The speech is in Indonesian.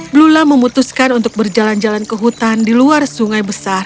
blula memutuskan untuk berjalan jalan ke hutan di luar sungai besar